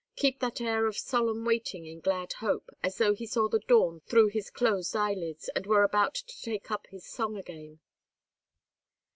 Keep that air of solemn waiting in glad hope, as though he saw the dawn through his closed eyelids, and were about to take up his song again!"